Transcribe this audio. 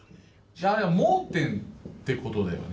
じゃあ盲点ってことだよね。